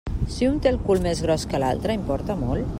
Si un té el cul més gros que l'altre, importa molt?